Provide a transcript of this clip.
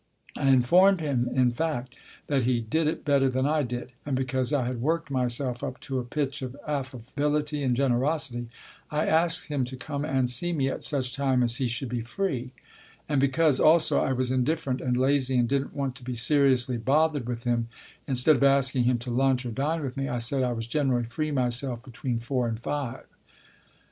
(I informed him, in fact, that he " did it " better than I did) ; and because I had worked myself up to a pitch of affability and generosity, I asked him to come and see me at such time as he should be free. And because, also, I was indifferent and lazy and didn't want to be seriously bothered with him, instead of asking him to lunch or dine with me, I said I was generally free myself between four and five.